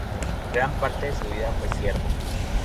Gran parte de su vida fue siervo.